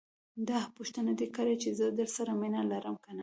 داح پوښتنه دې کړې چې زه درسره مينه لرم که نه.